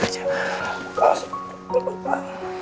masa kamu tidur aja